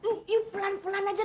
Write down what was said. ibu pelan pelan aja